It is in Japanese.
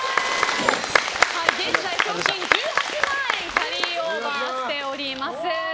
現在、賞金１８万円キャリーオーバーしております。